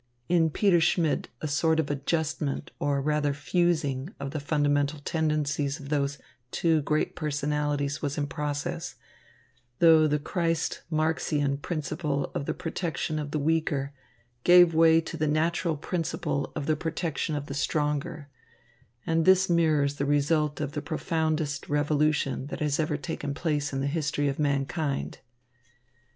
In Peter Schmidt a sort of adjustment, or rather fusing, of the fundamental tendencies of those two great personalities was in process, though the Christ Marxian principle of the protection of the weaker gave way to the natural principle of the protection of the stronger; and this mirrors the result of the profoundest revolution that has ever taken place in the history of mankind.